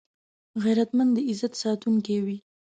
غیرتمند د عزت ساتونکی وي